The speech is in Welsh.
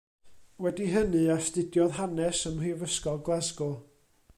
Wedi hynny astudiodd Hanes ym Mhrifysgol Glasgow.